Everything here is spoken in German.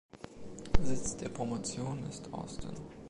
Sitz der Promotion ist Austin.